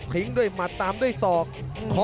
ทิ้งด้วยหมัดตามด้วยศอก